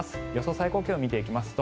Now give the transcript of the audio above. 最高気温を見ていきますと